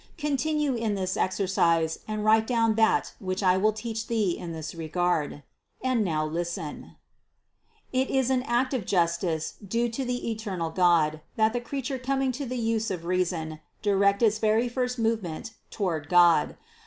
Continue in this exercise and write down that which I will teach thee in this regard. And now listen. 240. It is an act of justice due to the eternal God that the creature coming to the use of reason, direct its very first movement toward God.